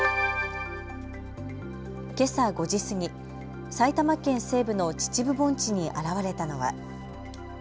けさ５時過ぎ、埼玉県西部の秩父盆地に現れたのは。